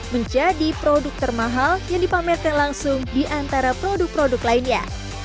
menjadi produk termahal yang dipamerkan langsung di antara produk produk lainnya